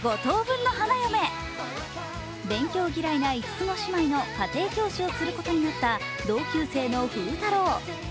勉強嫌いの５つ子姉妹の家庭教師をすることになった同級生の風太郎。